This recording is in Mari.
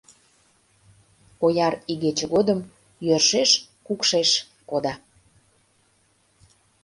Ояр игече годым йӧршеш кукшеш кода.